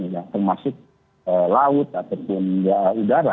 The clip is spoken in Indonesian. yang termasuk laut ataupun udara